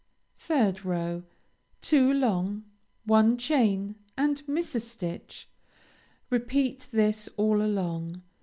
3rd row Two long, one chain and miss a stitch repeat this all along.